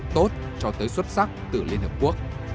tốt cho tới xuất sắc từ liên hợp quốc